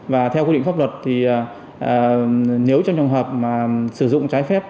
và theo quy định pháp luật thì nếu trong trường hợp mà sử dụng trái phép